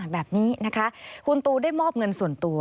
แบบนี้นะคะคุณตูได้มอบเงินส่วนตัว